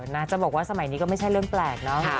น่าจะบอกว่าสมัยนี้ก็ไม่ใช่เรื่องแปลกเนอะ